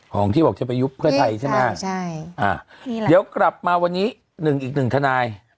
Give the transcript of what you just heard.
ของที่บอกจะไปยุบเพื่อไทยใช่ไหมใช่อ่าเดี๋ยวกลับมาวันนี้หนึ่งอีกหนึ่งทนาย